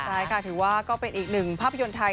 ใช่ค่ะถือว่าก็เป็นอีกหนึ่งภาพยนตร์ไทย